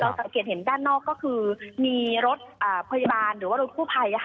สังเกตเห็นด้านนอกก็คือมีรถพยาบาลหรือว่ารถกู้ภัย